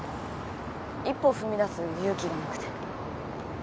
一歩踏み出す勇気がなくて。